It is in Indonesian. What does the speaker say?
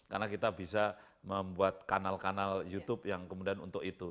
karena kita bisa membuat kanal kanal youtube yang kemudian untuk itu